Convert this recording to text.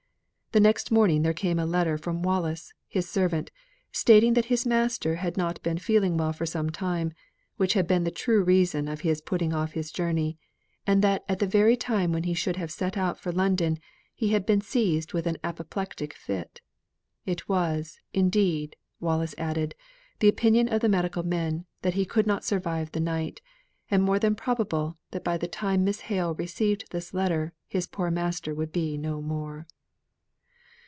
The next morning there came a letter from Wallis, his servant, stating that his master had not been feeling well for some time, which had been the true reason of his putting off his journey; and that at the very time when he should have set out for London, he had been seized with an apoplectic fit; it was, indeed, Wallis added, the opinion of the medical men that he could not survive the night; and more than probable, that by the time Miss Hale received this letter his poor master would be no more.